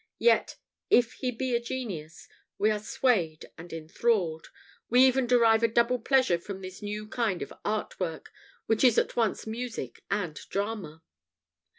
Yet, if he be a genius, we are swayed and enthralled. We even derive a double pleasure from this new kind of art work, which is at once music and drama.